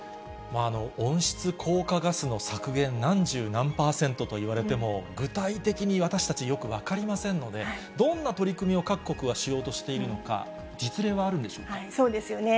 温室効果ガスの削減、何十何％といわれても、具体的に私たちよく分かりませんので、どんな取り組みを各国はしようとしているのか、実例はあるんでしそうですよね。